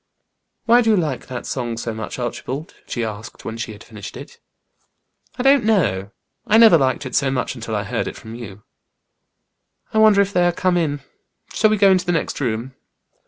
"Why do you like that song so much, Archibald?" she asked when she had finished it. "I don't know. I never liked it so much until I heard it from you." "I wonder if they are come in. Shall we go into the next room?"